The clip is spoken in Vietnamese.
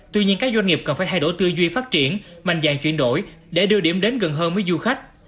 tuy nhiên các doanh nghiệp cần phải thay đổi tư duy phát triển mạnh dạng chuyển đổi để đưa điểm đến gần hơn với du khách